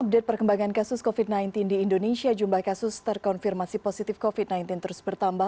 update perkembangan kasus covid sembilan belas di indonesia jumlah kasus terkonfirmasi positif covid sembilan belas terus bertambah